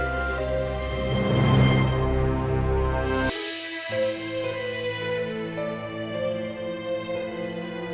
gatik kita diketik